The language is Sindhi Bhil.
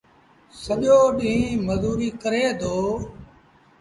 سڄو ڏيٚݩهݩ مزوريٚ ڪري دو۔